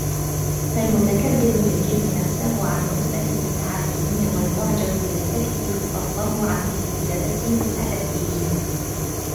فَالْمُتَكَبِّرُ يُجِلُّ نَفْسَهُ عَنْ رُتْبَةِ الْمُتَعَلِّمِينَ ، وَالْمُعْجَبُ يَسْتَكْثِرُ فَضْلَهُ عَنْ اسْتِزَادَةِ الْمُتَأَدِّبِينَ